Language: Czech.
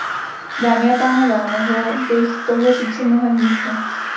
Dámy a pánové, mohl bych toho říci mnohem více.